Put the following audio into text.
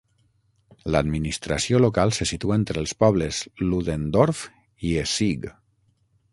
L'administració local se situa entre els pobles Ludendorf i Essig.